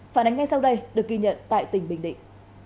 phản ánh ngay sau đây được ghi nhận tại tỉnh bình định